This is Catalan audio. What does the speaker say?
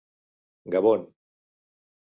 Gabon.